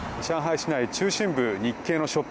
市内中心部日系のショップ